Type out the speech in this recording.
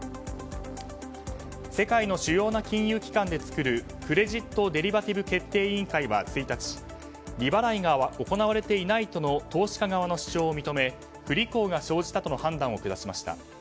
世界の主要な金融機関で作るクレジット・デリバティブ決定委員会は１日利払いが行われていないとの投資家側の主張を認め不履行が生じたとの判断を下しました。